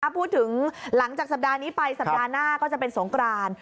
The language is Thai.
พูดถึงหลังจากสัปดาห์นี้ไปสัปดาห์หน้าก็จะเป็นสงกราน